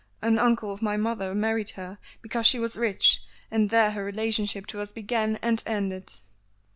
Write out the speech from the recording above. An uncle of my mother married her because she was rich, and there her relationship to us began and ended."